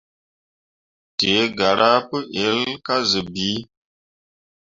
Dǝǝ garah pu ell kah zun bii.